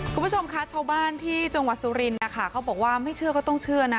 คุณผู้ชมคะชาวบ้านที่จังหวัดสุรินทร์นะคะเขาบอกว่าไม่เชื่อก็ต้องเชื่อนะ